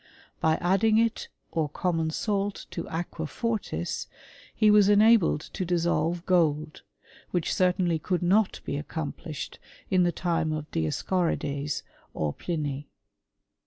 By adding it or common salt to aqua fortis, he was enabled to dissolve gold, which certainly could not be accomplished in the time of Dioscorides or Pliny.